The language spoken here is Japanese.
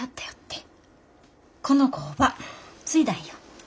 この工場継いだんよ。